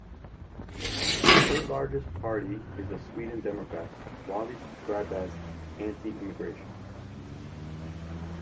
The third largest party is the Sweden Democrats, widely described as "anti-immigration".